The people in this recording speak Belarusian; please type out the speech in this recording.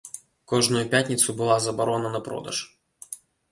Кожную пятніцу была забарона на продаж.